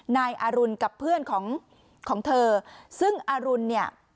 นายอรุณกับเพื่อนของของเธอซึ่งอรุณเนี่ย